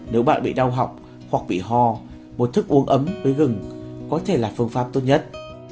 nếu bạn bị đau họng hoặc bị ho một thức uống ấm với gừng có thể là phương pháp tốt nhất